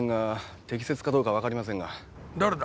誰だ？